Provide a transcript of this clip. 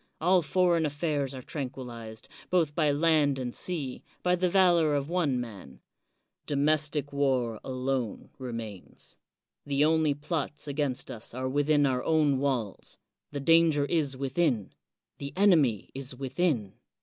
All foreign affairs are tranquilized, both by land and sea, by the valor of one man. Domestic war alone remains. The only plots against us are within our own walls, — ^the danger is within, — ^the enemy is within.